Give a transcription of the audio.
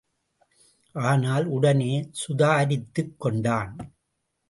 ஆனால் உடனே சுதாரித்துக் கொண்டான்.